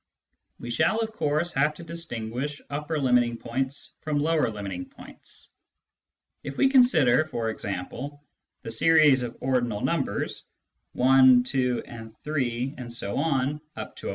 We shall, of course, have to distinguish upper limiting points from lower limiting points. If we consider, for example, the series of ordinal numbers : 1, 2, 3, ... 01, a>+ 1